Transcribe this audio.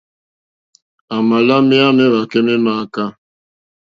À mà lá méyá méwàkɛ́ mé mááká.